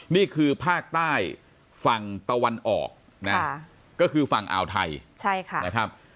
นี่คือภาคใต้ฝั่งตะวันออกนะก็คือฝั่งอ่าวไทยนะครับ